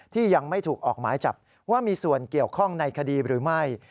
ที่ยังไม่ถูกออกหมายจับว่ามีส่วนเกี่ยวข้องในคดีหรือไม่